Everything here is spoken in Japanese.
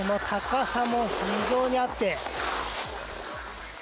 高さも非常にあって。